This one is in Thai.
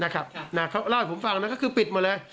เขาเล่าให้ผมฟังนะ